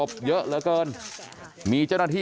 พ่อขออนุญาต